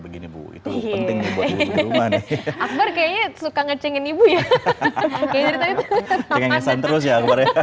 begini bu itu penting nih buat di rumah nih akbar kayaknya suka ngecengin ibu ya